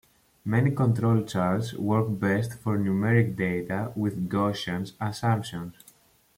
Many control charts work best for numeric data with Gaussian assumptions.